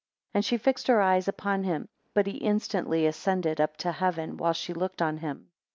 And she fixed her eyes upon him; but he instantly ascended up to heaven, while she looked on him.